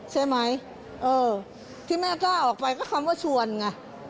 ใช่ไหมเออที่แม่กล้าออกไปก็คำว่าชวนไง